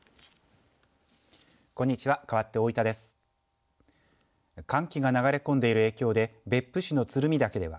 こんにちは。